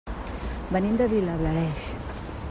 Venim de Vilablareix.